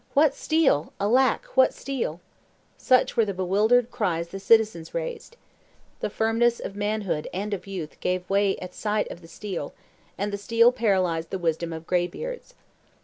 'What steel! alack, what steel!' Such were the bewildered cries the citizens raised. The firmness of manhood and of youth gave way at sight of the steel; and the steel paralyzed the wisdom of graybeards.